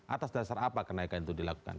atas dasar apa kenaikan itu dilakukan